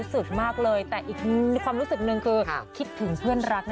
เสียคนที่รักเหมือนกัน